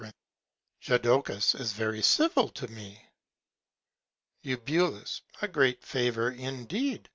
Jodocus is very civil to me. Eu. A great Favour indeed.